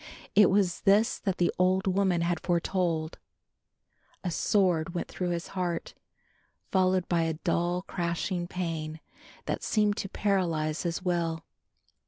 It was this that the old woman had foretold. A sword went through his heart, followed by a dull crushing pain that seemed to paralyse his will.